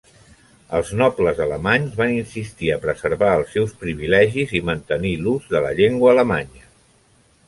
Els nobles alemanys van insistir a preservar els seus privilegis i mantenir l'ús de la llengua alemanya.